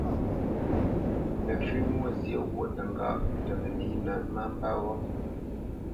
Nəfʉ́ Mwôzyě ghwôʼ təŋgáʼ tə mənǐnə má mbə́ ghó.